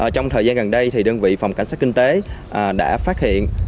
trong thời gian gần đây đơn vị phòng cảnh sát kinh tế đã phát hiện